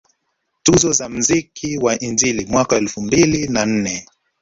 Tuzo za mziki wa injili mwaka elfu mbili na nne